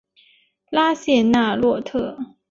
拉谢纳洛特。